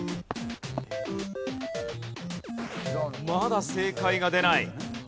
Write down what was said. まだ正解が出ない。